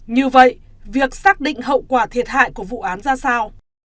như vậy việc xác định hậu quả thiệt hại của vụ án ra sao